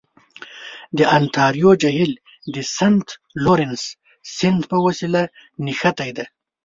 د انتاریو جهیل د سنت لورنس سیند په وسیله نښتی دی.